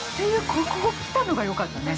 ◆ここに来たのがよかったね。